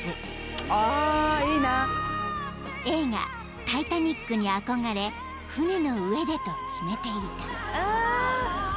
［映画『タイタニック』に憧れ船の上でと決めていた］